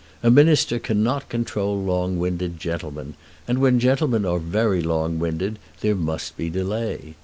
A minister cannot control long winded gentlemen, and when gentlemen are very long winded there must be delay.